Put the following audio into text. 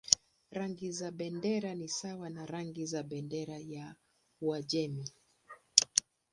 Rangi za bendera ni sawa na rangi za bendera ya Uajemi.